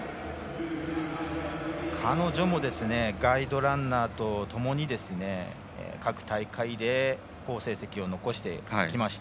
彼女もガイドランナーとともに各大会で好成績を残してきました。